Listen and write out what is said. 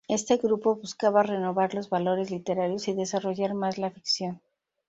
Este grupo buscaba renovar los valores literarios y desarrollar más la ficción.